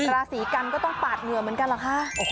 ราศีกันก็ต้องปาดเหงื่อเหมือนกันเหรอคะ